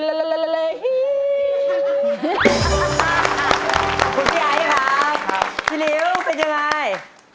คุณพี่ไอ้ครับพี่ลิ้วเป็นยังไง